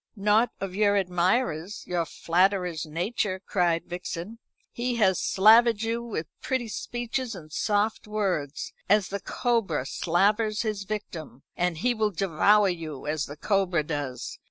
"Not of your admirer's, your flatterer's nature," cried Vixen. "He has slavered you with pretty speeches and soft words, as the cobra slavers his victim, and he will devour you, as the cobra does.